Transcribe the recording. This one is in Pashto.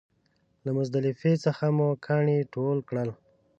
له مزدلفې څخه مو کاڼي ټول کړل.